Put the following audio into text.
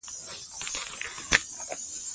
پکتیکا د زنغوزو یعنب جلغوزو نه غنی ولایت ده.